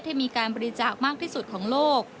ที่มีการบริจาคมากที่สุดของโลก